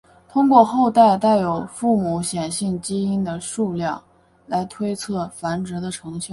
通过后代带有父母显性基因的数量来推测繁殖的成效。